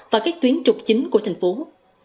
và các tuyến trục chính của tp hcm